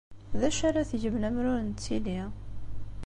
D acu ara tgem lemmer ur nettili?